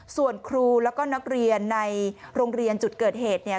ส่วนครูแล้วก็นักเรียนในโรงเรียนจุดเกิดเหตุเนี่ย